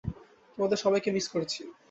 তোমাদের সবাইকে মিস করেছি।